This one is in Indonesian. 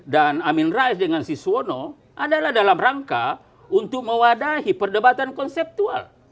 dan amin rais dengan siswono adalah dalam rangka untuk mewadahi perdebatan konseptual